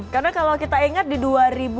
karena kalau kita ingat di dua negara itu